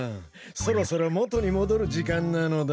そろそろもとにもどるじかんなのだ。